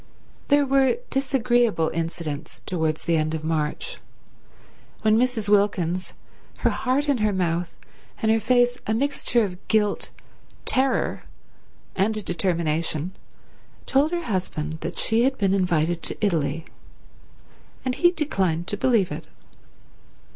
There were disagreeable incidents towards the end of March, when Mrs. Wilkins, her heart in her mouth and her face a mixture of guilt, terror and determination, told her husband that she had been invited to Italy, and he declined to believe it.